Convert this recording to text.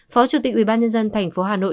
phó chủ tịch ubnd tp hà nội